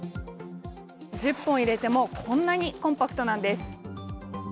１０本入れても、こんなにコンパクトなんです。